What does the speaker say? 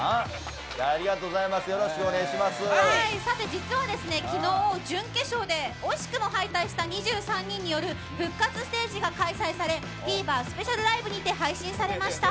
実はですね、きのう準決勝で惜しくも敗退した２３人による復活ステージが開催されＴＶｅｒスペシャルライブにて配信されました。